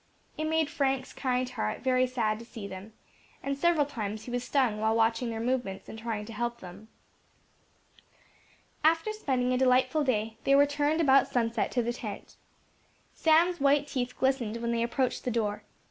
It made Frank's kind heart very sad to see them, and several times he was stung while watching their movements and trying to help them. After spending a delightful day, they returned about sunset to the tent. Sam's white teeth glistened when they approached the door.